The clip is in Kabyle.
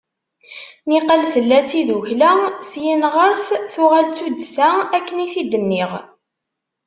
Niqal tella d tidukla, syin ɣer-s tuɣal d tuddsa akken i t-id-nniɣ.